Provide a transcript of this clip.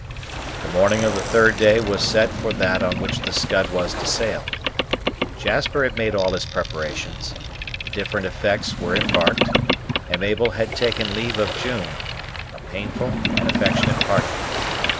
The morning of the third day was set for that on which the Scud was to sail. Jasper had made all his preparations; the different effects were embarked, and Mabel had taken leave of June, a painful and affectionate parting.